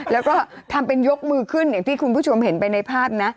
แล้วก็ทำเป็นยกมือขึ้นอย่างที่คุณผู้ชมเห็นไปในภาพนะ